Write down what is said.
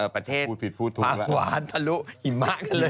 ประเทศผังหวานทะลุหินมากเลย